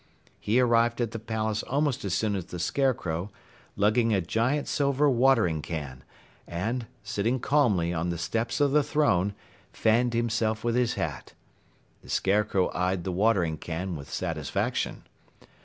He arrived at the palace almost as soon as the Scarecrow, lugging a giant silver watering can, and, sitting calmly on the steps of the throne, fanned himself with his hat. The Scarecrow eyed the watering can with satisfaction.